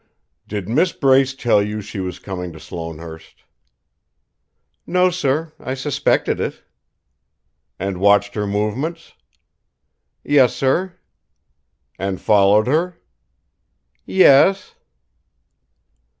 "Did Miss Brace tell you she was coming to Sloanehurst?" "No, sir. I suspected it." "And watched her movements?" "Yes, sir." "And followed her?" "Yes."